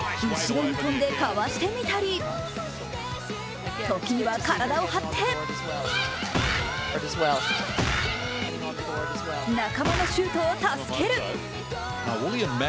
後ろに飛んでかわしてみたり時には体を張って仲間のシュートを助ける。